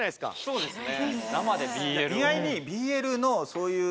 そうですね